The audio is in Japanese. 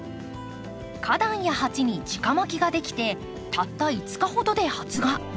花壇や鉢に直まきができてたった５日ほどで発芽。